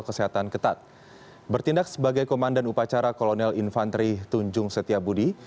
kelihatan ketat bertindak sebagai komandan upacara kolonel infanteri tunjung setia budi